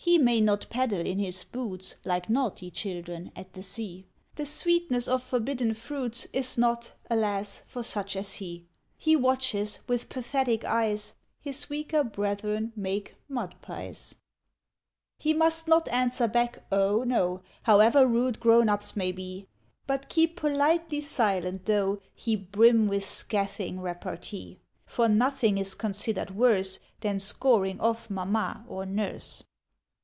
He may not paddle in his boots, Like naughty children, at the Sea; The sweetness of Forbidden Fruits Is not, alas! for such as he. He watches, with pathetic eyes, His weaker brethren make mud pies. He must not answer back, oh no! However rude grown ups may be, But keep politely silent, tho' He brim with scathing repartee; For nothing is considered worse Than scoring off Mamma or Nurse.